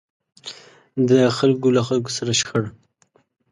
د خلکو له خلکو سره شخړه.